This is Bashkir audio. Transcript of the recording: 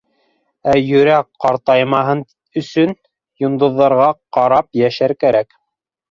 Ә йөрәк ҡартаймаһын өсөн... йондоҙҙарға ҡарап йәшәр кәрәк!